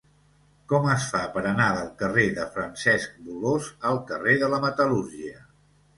Com es fa per anar del carrer de Francesc Bolòs al carrer de la Metal·lúrgia?